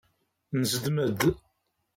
Nezdem-d.